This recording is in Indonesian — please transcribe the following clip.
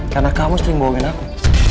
karena kamu sering bawain aku